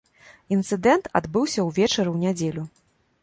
Інцыдэнт адбыўся ўвечары ў нядзелю.